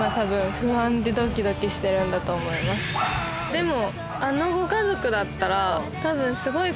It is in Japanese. でも。